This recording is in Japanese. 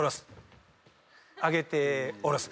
上げて下ろす。